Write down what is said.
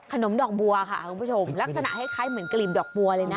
ดอกบัวค่ะคุณผู้ชมลักษณะคล้ายเหมือนกลีบดอกบัวเลยนะ